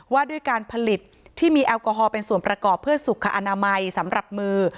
ว่าด้วยการผลิตที่มีแอลกอฮอลเป็นส่วนประกอบเพื่อสุขอนามัยสำหรับมือ